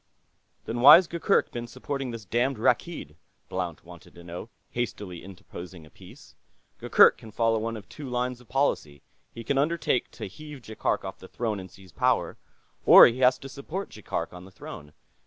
"Then why's Gurgurk been supporting this damned Rakkeed?" Blount wanted to know, hastily interposing a piece. "Gurgurk can follow one of two lines of policy. He can undertake to heave Jaikark off the throne and seize power, or he has to support Jaikark on the throne.